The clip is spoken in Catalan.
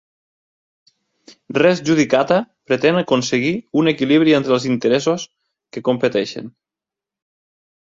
"Res judicata" pretén aconseguir un equilibri entre els interessos que competeixen.